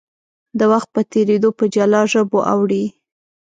د وخت په تېرېدو په جلا ژبو اوړي.